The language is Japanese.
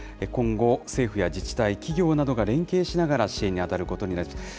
今後、政府や自治体、企業などが連携しながら、支援に当たることになります。